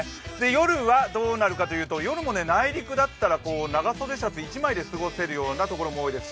夜はどうなるかというと、夜も内陸だったら長袖シャツ１枚で過ごせるところもありそうです。